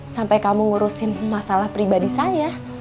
sampai kamu ngurusin masalah pribadi saya